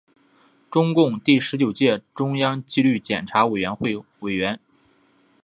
中共第十九届中央纪律检查委员会委员。